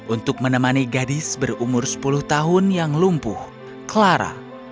untuk menemani gadis berumur sepuluh tahun yang lumpuh clara